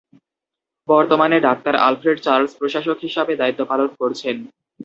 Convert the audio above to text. বর্তমানে doctor Alfred Charles প্রশাসক হিসাবে দায়িত্ব পালন করছেন।